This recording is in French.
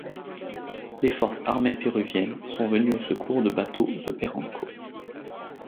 Les forces armées péruviennes sont venues au secours de bateaux de Perenco.